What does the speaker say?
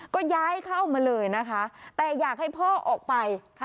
ก็ย้ายเข้ามาเลยนะคะแต่อยากให้พ่อออกไป